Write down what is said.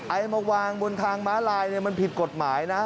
เอามาวางบนทางม้าลายมันผิดกฎหมายนะ